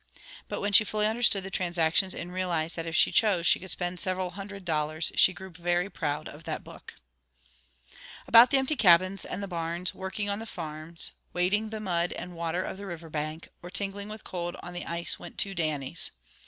But when she fully understood the transactions and realized that if she chose she could spend several hundred dollars, she grew very proud of that book. About the empty cabins and the barns, working on the farms, wading the mud and water of the river bank, or tingling with cold on the ice went two Dannies.